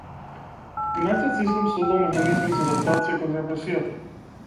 Минатиот систем создал механизми за адаптација кон репресијата.